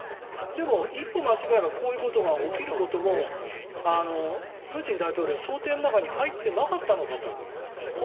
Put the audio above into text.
でも、一歩間違えばこういうことが起きることもプーチン大統領は想定の中に入ってなかったのかと。